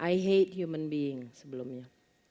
i hate human being sebelumnya